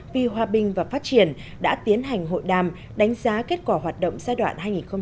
vì hòa bình và phát triển đã tiến hành hội đàm đánh giá kết quả hoạt động giai đoạn hai nghìn một mươi ba hai nghìn một mươi bảy